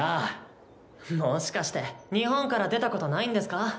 もしかして日本から出たことないんですか？